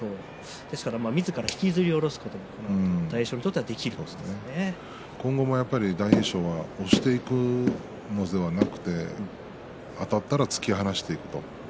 ですから、みずから引きずり下ろすことが大栄翔に今後も大栄翔は押していくのではなくてあたったら突き放していくと。